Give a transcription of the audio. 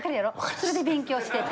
それで勉強してて。